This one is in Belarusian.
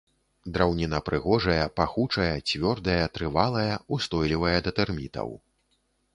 Драўніна прыгожая, пахучая, цвёрдая, трывалая, устойлівая да тэрмітаў.